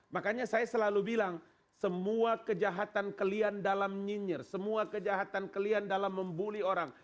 makanya saya selalu bilang semua kejahatan kalian dalam nyinyir semua kejahatan kalian dalam membuli orang